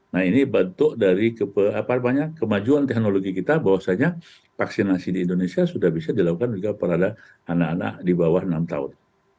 nah ini bentuk dari kemajuan teknologi kita bahwasanya vaksinasi di indonesia sudah bisa dilakukan juga pada anak anak di bawah enam tahun